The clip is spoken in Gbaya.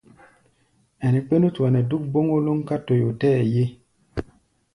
Ɛnɛ kpé nútua nɛ́ dúk bóŋkólóŋ ká toyó tɛɛ́ ye.